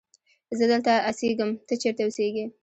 زه دلته اسیږم ته چیرت اوسیږی